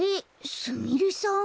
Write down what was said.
すみれさん？